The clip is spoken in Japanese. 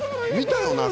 「見たよな？